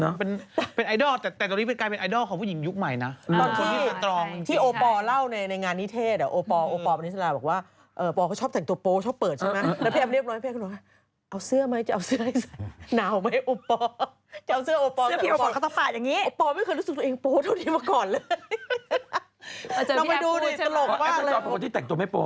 มีเปิดไหล่เดียวอะไรอย่างนี้ก่ออกอย่างนั้นจะเห็นพี่แอฟใส่สักทีอ่ะ